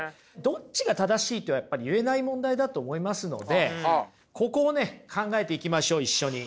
どっちが正しいとはやっぱり言えない問題だと思いますのでここをね考えていきましょう一緒に。